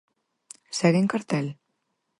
Segue en cartel?